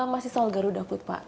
masih soal garuda food pak